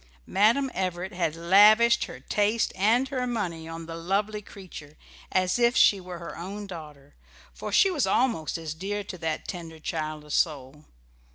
Madam Everett had lavished her taste and her money on the lovely creature as if she were her own daughter, for she was almost as dear to that tender, childless soul.